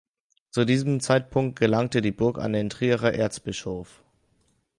Zu diesem Zeitpunkt gelangte die Burg an den Trierer Erzbischof.